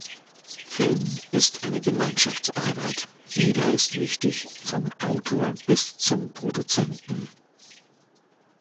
Film ist eine Gemeinschaftsarbeit, jeder ist wichtig, vom Autor bis zum Produzenten.